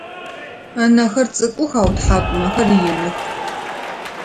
Ынэхэр цӏыкӏух ау ытхьакӏумэхэр иных.